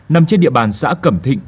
nằm trên địa bàn xã cẩm thịnh